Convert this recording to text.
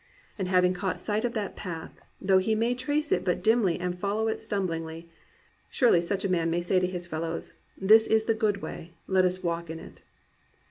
^ And having caught sight of that path, though he may trace it but dimly and follow it stumbling, surely such a man may say to his fellows, "This is the good way; let us walk in it."